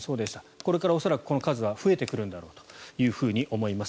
これから恐らくこの数は増えていくんだろうと思います。